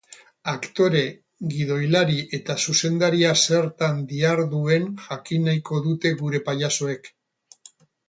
Aktore, gidoilari eta zuzendaria zertan diharduen jakin nahiko dute gure pailazoek.